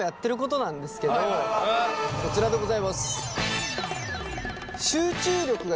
こちらでございます！